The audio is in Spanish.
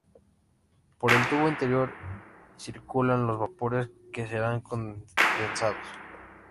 Por el tubo interior circulan los vapores que serán condensados.